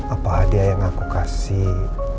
apa hadiah yang aku kasih